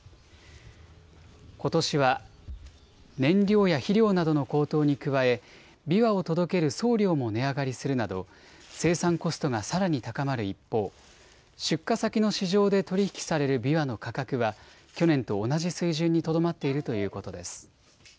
ことしは燃料や肥料などの高騰に加え、びわを届ける送料も値上がりするなど、生産コストがさらに高まる一方、出荷先の市場で取り引きされるびわの価格は、去年と同じ水準にとどまっているということです。